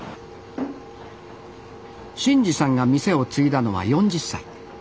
伸二さんが店を継いだのは４０歳。